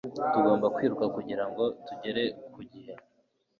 Tugomba kwiruka kugirango tugere ku gihe